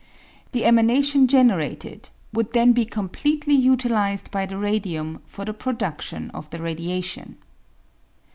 The emanation generated would then be com pletely utilised by the radium for the produdlion of the radiation.